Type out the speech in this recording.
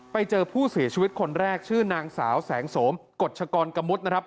ไปเจอผู้เสียชีวิตคนแรกชื่อนางสาวแสงสมกฎชกรกะมุดนะครับ